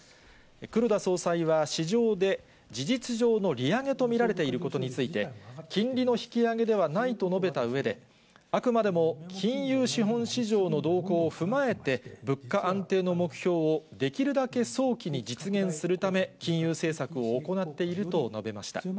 黒田総裁は市場で事実上の利上げと見られていることについて、金利の引き上げではないと述べたうえで、あくまでも金融資本市場の動向を踏まえて、物価安定の目標を、できるだけ早期に実現するため、金融政策を行っていると述べました。